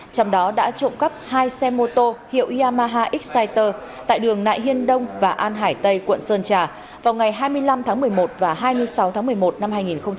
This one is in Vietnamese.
trong đó đã trộm cắp hai xe mô tô hiệu yamaha exciter tại đường nại hiên đông và an hải tây quận sơn trà vào ngày hai mươi năm tháng một mươi một và hai mươi sáu tháng một mươi một năm hai nghìn hai mươi